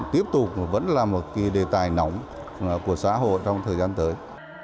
tiếp tục vẫn là một đề tài nóng của xã hội trong thời gian tới